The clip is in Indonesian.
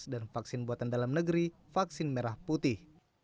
dan vaksin buatan dalam negeri vaksin merah putih